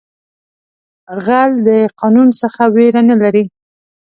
غل د قانون څخه ویره نه لري